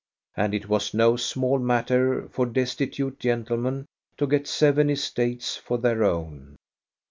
And it was no small matter for destitute gentlemen to get seven estates for their own.